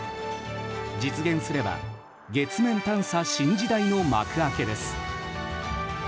実現すれば月面探査、新時代の幕開けです。